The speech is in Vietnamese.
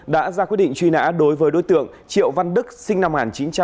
đã ra quyết định truy nã đối với đối tượng triệu văn đức sinh năm một nghìn chín trăm tám mươi